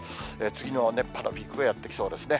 次の熱波のピークがやって来そうですね。